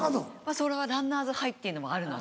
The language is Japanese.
それはランナーズハイっていうのもあるので。